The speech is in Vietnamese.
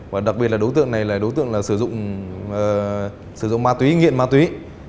và đặc biệt là đối tượng này là đối tượng sử dụng ma túy nghiện ma túy